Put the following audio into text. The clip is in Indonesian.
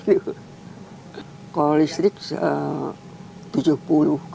kalau listrik rp tujuh puluh